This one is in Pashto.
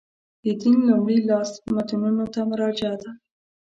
د دین لومړي لاس متنونو ته مراجعه ده.